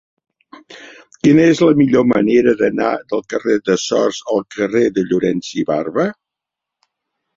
Quina és la millor manera d'anar del carrer de Sors al carrer de Llorens i Barba?